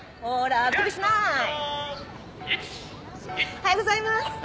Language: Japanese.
おはようございます！